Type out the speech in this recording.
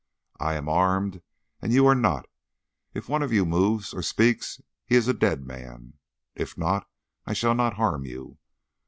"I am armed and you are not. If one of you moves or speaks he is a dead man. If not, I shall not harm you.